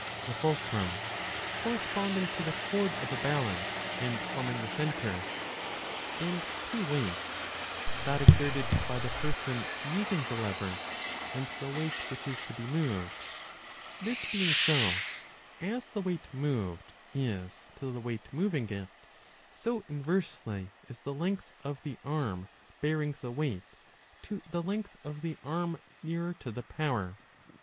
the fulcrum corresponding to the cord of a balance and forming the centre and two weights, that exerted by the person using the lever and the weight which is to be moved ; this being so, as the weight moved is to the weight moving it, so, 8so b inversely, is the length of the arm bearing the weight to the length of the arm nearer to the power.